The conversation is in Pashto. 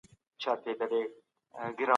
رنځ او بدبختي ټول انسانان سره برابروي.